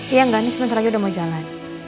iya gak nih sebentar lagi udah mau jalan